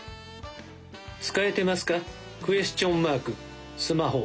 使えてますかクエスチョンマークスマホ。